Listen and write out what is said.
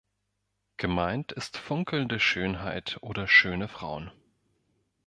Gemeint ist "funkelnde Schönheit" oder "schöne Frauen".